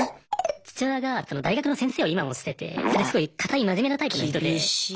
父親が大学の先生を今もしててそれですごい堅い真面目なタイプの人で。